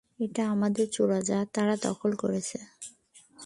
এটা আমাদের চূড়া যা তারা দখল করেছে।